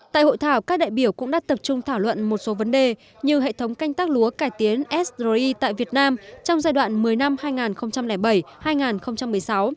tại hội thảo các đại biểu cũng đã tập trung thảo luận một số vấn đề như hệ thống canh tác lúa cải tiến sri tại việt nam trong giai đoạn một mươi năm hai nghìn bảy hai nghìn một mươi sáu